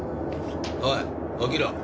おい起きろ。